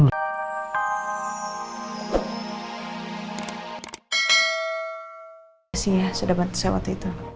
terima kasih ya sudah bantu saya waktu itu